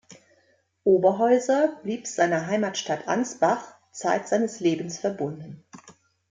Oberhäuser blieb seiner Heimatstadt Ansbach zeit seines Lebens verbunden.